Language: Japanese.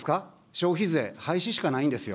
消費税、廃止しかないんですよ。